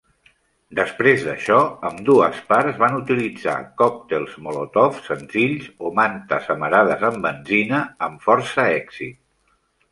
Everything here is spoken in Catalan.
Després d'això, ambdues parts van utilitzar còctels Molotov senzills o mantes amarades amb benzina amb força èxit.